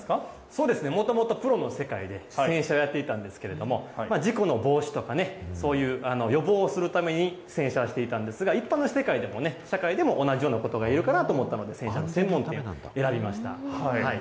そうですね、もともとプロの世界で洗車やっていたんですけれども、事故の防止とかね、そういう予防をするために洗車していたんですが、一般の世界でもね、社会でも、同じことが言えるかなと思ったので、洗車の専門店、選びました。